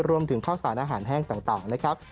รวมถึงข้าวสารอาหารแห้งต่างนะครับ